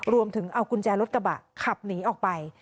รวมถึงเอากุญแจรถกระบะขับหนีออกไป